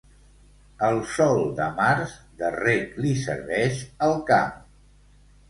El sol de març, de reg li serveix al camp.